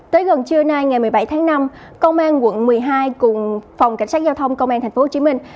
tới gần trưa nay ngày một mươi bảy tháng năm công an quận một mươi hai cùng phòng cảnh sát giao thông công an thành phố hồ chí minh